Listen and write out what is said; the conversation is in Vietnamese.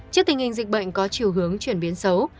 trước tình hình dịch bệnh có chiều hướng chuyển biến xấu